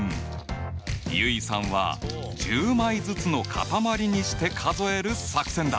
結衣さんは１０枚ずつの塊にして数える作戦だ！